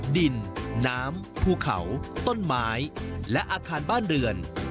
ดินน้ำภูเขาต้นไม้และอาคารบ้านเรือน